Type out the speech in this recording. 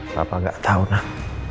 papa enggak tahu nak